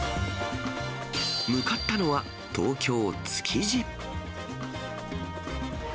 向かったのは、東京・築地。